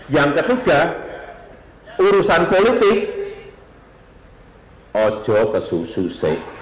yang ketiga urusan politik ojo kesususek